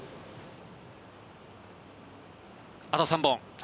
あと３本。